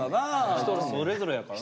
人それぞれやからな。